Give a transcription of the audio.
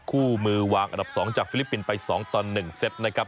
คู่มือวางอันดับ๒จากฟิลิปปินส์ไป๒ต่อ๑เซตนะครับ